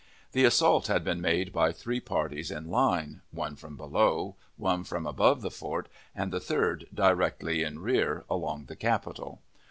The assault had been made by three parties in line, one from below, one from above the fort, and the third directly in rear, along the capital.